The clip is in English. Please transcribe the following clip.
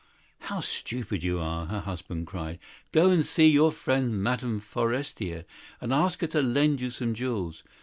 "How stupid you are!" her husband cried. "Go look up your friend, Madame Forestier, and ask her to lend you some jewels.